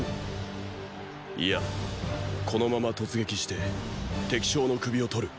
いやこのまま突撃して敵将の首をとる。